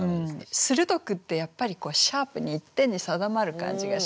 「鋭く」ってやっぱりシャープに一点に定まる感じがしませんか？